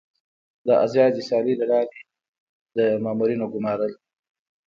د آزادې سیالۍ له لارې د مامورینو ګمارل.